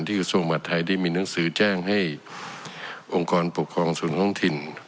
กระทรวงมหาดไทยได้มีหนังสือแจ้งให้องค์กรปกครองส่วนท้องถิ่น